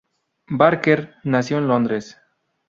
Barker nació en Londres.